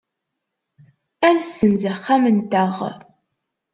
Ad nessenz axxam-nteɣ.